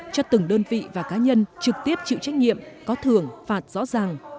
cho từng đơn vị và cá nhân trực tiếp chịu trách nhiệm có thưởng phạt rõ ràng